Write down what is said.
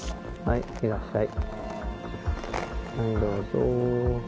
いってらっしゃい。